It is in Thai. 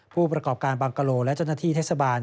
ผู้ประกอบการบังกะโลและเจ้าหน้าที่เทศบาล